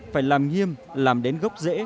phải làm nghiêm làm đến gốc dễ